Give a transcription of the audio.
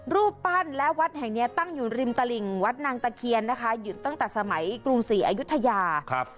รูปปั้นและวัดแห่งเนี้ยตั้งอยู่ริมตลิ่งวัดนางตะเคียนนะคะหยุดตั้งแต่สมัยกรุงศรีอายุทยาครับ